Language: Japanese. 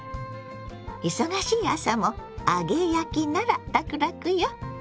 忙しい朝も揚げ焼きならラクラクよ。